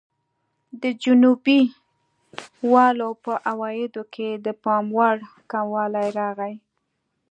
د جنوبي والو په عوایدو کې د پاموړ کموالی راغی.